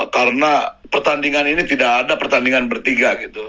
karena pertandingan ini tidak ada pertandingan bertiga gitu